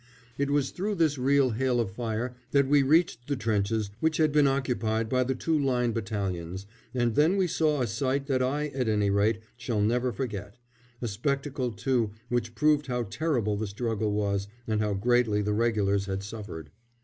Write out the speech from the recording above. It was through this real hail of fire that we reached the trenches which had been occupied by the two Line battalions, and then we saw a sight that I, at any rate, shall never forget a spectacle, too, which proved how terrible the struggle was and how greatly the Regulars had suffered.